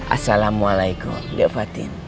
assalamualaikum liat fatin